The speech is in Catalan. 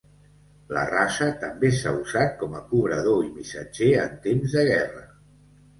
La raça també s'ha usat com a cobrador i missatger en temps de guerra.